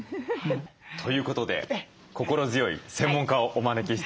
ということで心強い専門家をお招きしています。